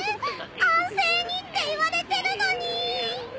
安静にって言われてるのに！